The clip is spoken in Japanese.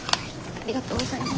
ありがとうございます。